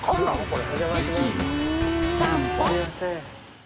これ。